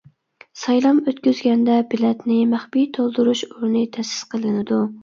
سايلام ئۆتكۈزگەندە بېلەتنى مەخپىي تولدۇرۇش ئورنى تەسىس قىلىنىدۇ.